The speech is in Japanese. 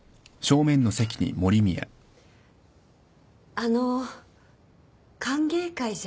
あのう歓迎会じゃ。